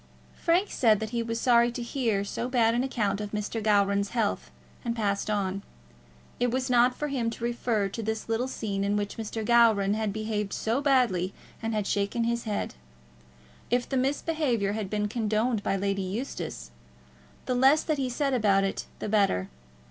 Frank said that he was sorry to hear so bad an account of Mr. Gowran's health, and passed on. It was not for him to refer to the little scene in which Mr. Gowran had behaved so badly and had shaken his head. If the misbehaviour had been condoned by Lady Eustace, the less that he said about it the better.